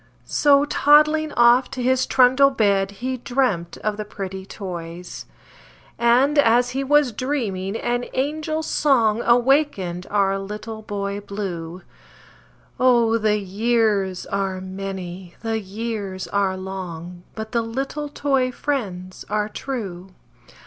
So, toddling off to his trundle bed, He dremt of the pretty toys; And, as he was dreaming, an angel song Awakened our Little Boy Blue Oh! the years are many, the years are long, But the little toy friends are true!